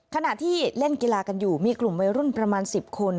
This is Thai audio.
ขณะที่เล่นกีฬากันอยู่มีกลุ่มวัยรุ่นประมาณ๑๐คน